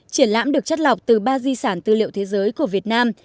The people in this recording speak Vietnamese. triển lãm được chất lọc từ ba di sản tư liệu thế giới của việt nam